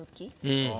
うん。